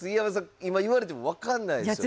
今言われても分かんないですよね？